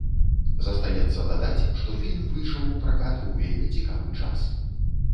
Застаецца дадаць, што фільм выйшаў у пракат у вельмі цікавы час.